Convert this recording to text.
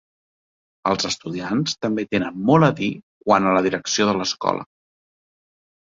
Els estudiants també tenen molt a dir quant a la direcció de l'escola.